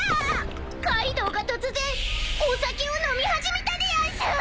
［カイドウが突然お酒を飲み始めたでやんす！］